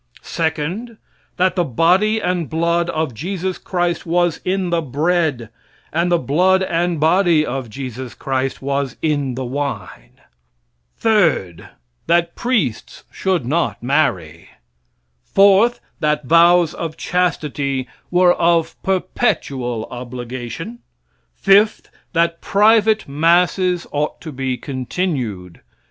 Second, that the body and blood of Jesus Christ was in the bread, and the blood and body of Jesus Christ was in the wine. Third, that priests should not marry. Fourth, that vows of chastity were of perpetual obligation. Fifth, that private masses ought to be continued.